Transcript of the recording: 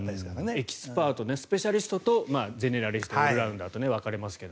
エキスパートスペシャリストとゼネラリストオールラウンダーと分かれますけど。